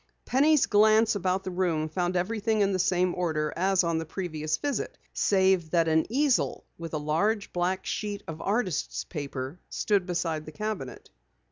Penny's glance about the room found everything in the same order as upon the previous visit, save that an easel with a large black sheet of artist's paper stood beside the cabinet.